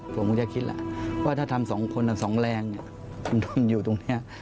ผมก็จะคิดแหละว่าถ้าทำสองคนสองแรงอยู่ตรงนี้